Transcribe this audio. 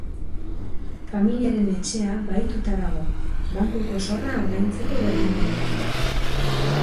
Familiaren etxea bahituta dago, bankuko zorra ordaintzeko berme moduan.